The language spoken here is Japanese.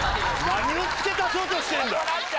何を付け足そうとしてんだ。